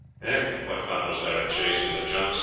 "What fun was there in chasing the junks?"